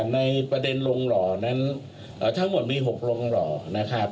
ในประเด็นลงหล่อนั้นทั้งหมดมี๖โรงหล่อนะครับ